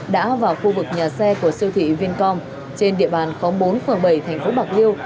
đã vào khu vực nhà xe của siêu thị vincom trên địa bàn khóm bốn phường bảy thành phố bạc liêu